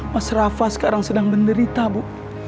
mas rafa sekarang sedang menderita bu